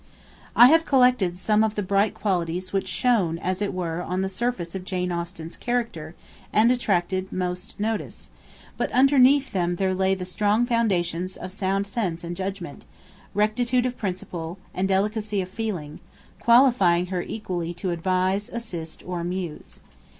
I have collected some of the bright qualities which shone, as it were, on the surface of Jane Austen's character, and attracted most notice; but underneath them there lay the strong foundations of sound sense and judgment, rectitude of principle, and delicacy of feeling, qualifying her equally to advise, assist, or amuse.